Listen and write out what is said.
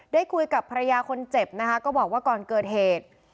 ได้คุยกับภรรยาคนเจ็บนะคะก็บอกว่าก่อนเกิดเหตุ